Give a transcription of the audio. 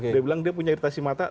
dia bilang dia punya iritasi mata